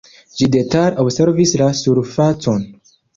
Ĝi detale observis la surfacon.